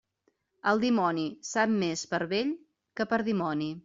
El dimoni sap més per vell que per dimoni.